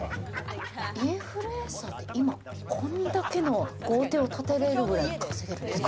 インフルエンサーって今、こんだけの豪邸を建てれるくらい稼げるんですか？